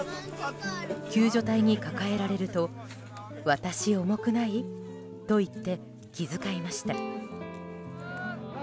救助隊に抱えられると私、重くない？と言って気遣いました。